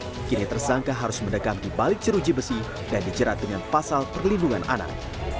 untuk menjawabkan perbuatannya kini tersangka harus mendekati balik ceruji besi dan dicerat dengan pasal perlindungan anak